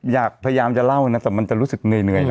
พยายามจะเล่านะแต่มันจะรู้สึกเหนื่อย